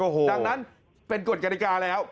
ดังนั้นเป็นกฎกฎิกาแล้ว